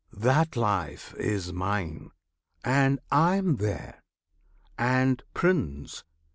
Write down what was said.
That Life Is Mine, and I am there! And, Prince!